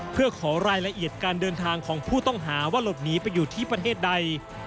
เพื่อขอรายละเอียดการเดินทางของผู้ต้องหาว่าหลบหนีไปอยู่ที่ประเทศใด